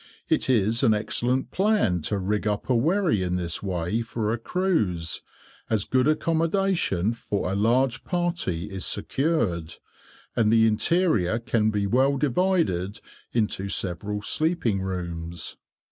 It is an excellent plan to rig up a wherry in this way for a cruise, as good accommodation for a large party is secured, and the interior can be well divided into several sleeping rooms.